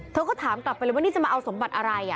เธอก็ถามกลับไปเลยว่านี่จะมาเอาสมบัติอะไร